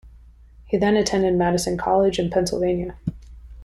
He then attended Madison College in Pennsylvania.